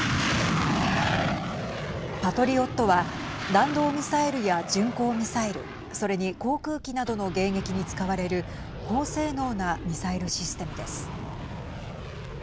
パトリオットは弾道ミサイルや巡航ミサイルそれに航空機などの迎撃に使われる高性能なミサイルシステムです。